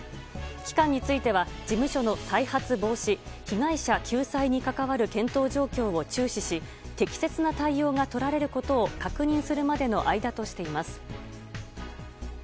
期間については事務所の再発防止被害者救済に関わる検討状況を注視し適切な対応がとられることを確認するまでの間としています。